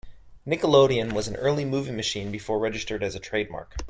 "Nickelodeon" was an early movie machine before registered as a trademark.